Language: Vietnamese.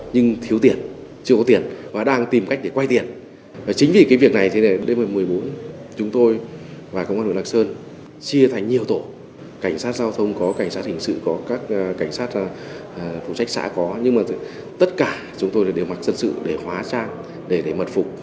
nhưng mà tất cả chúng tôi đều mặc dân sự để hóa trang để mật phục